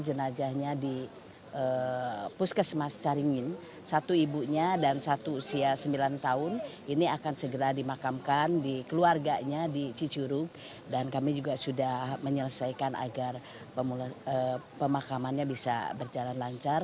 jenazahnya di puskesmas caringin satu ibunya dan satu usia sembilan tahun ini akan segera dimakamkan di keluarganya di cicuru dan kami juga sudah menyelesaikan agar pemakamannya bisa berjalan lancar